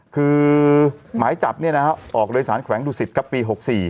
คือหมายจับเนี่ยนะฮะโดยสารแขวงดุกศิษย์ครับปี๖๔